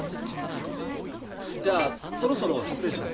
じゃあそろそろ失礼します。